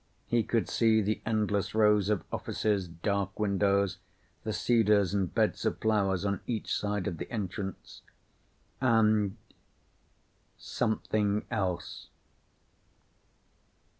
He could see the endless rows of offices, dark windows, the cedars and beds of flowers on each side of the entrance. And something else.